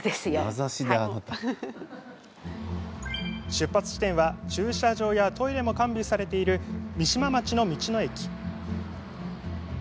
出発地点は駐車場やトイレも完備されている三島町の道の駅。